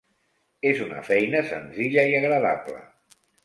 És una feina senzilla i agradable.